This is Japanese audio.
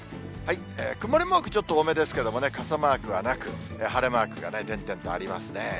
曇りマークちょっと多めですけどもね、傘マークはなく、晴れマークが点々とありますね。